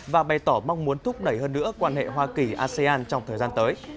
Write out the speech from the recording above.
và bày tỏ mong muốn thúc đẩy hơn nữa quan hệ hoa kỳ asean trong thời gian tới